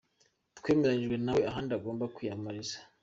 Twemeranyijwe na we ahandi agomba kwiyamamariza.